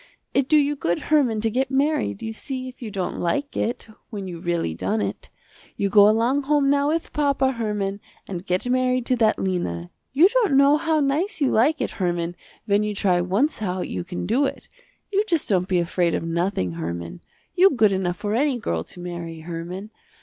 It do you good Herman to get married, you see if you don't like it, when you really done it. You go along home now with papa, Herman and get married to that Lena. You don't know how nice you like it Herman when you try once how you can do it. You just don't be afraid of nothing, Herman. You good enough for any girl to marry, Herman.